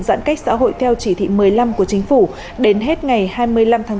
giãn cách xã hội theo chỉ thị một mươi năm của chính phủ đến hết ngày hai mươi năm tháng bốn